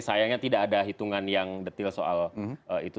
sayangnya tidak ada hitungan yang detil soal itu